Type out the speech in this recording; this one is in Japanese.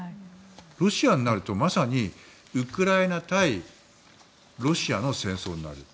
ロシアになるとまさにウクライナ対ロシアの戦争になる。